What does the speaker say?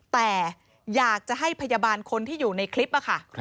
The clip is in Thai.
แต่อยากจะให้พยาบาลคนที่อยู่ในคลิปค่ะ